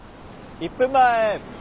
１分前！